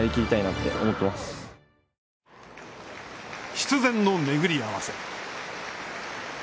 必然のめぐり合わせ。